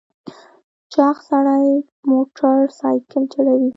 چاغ سړی موټر سایکل چلوي .